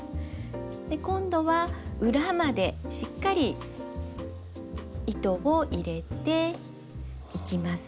で今度は裏までしっかり糸を入れていきます。